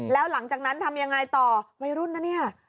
แล้วหลังจากนั้นทำยังไงต่อวัยรุ่นนะเนี่ย